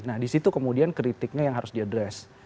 nah di situ kemudian kritiknya yang harus diadres